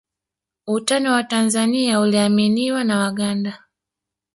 Utani wa Watanzania uliaminiwa na Waganda